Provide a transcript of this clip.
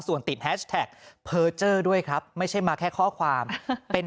ส่วนติดแฮชแท็กเพอร์เจอร์ด้วยครับไม่ใช่มาแค่ข้อความเป็น